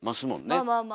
まあまあまあ。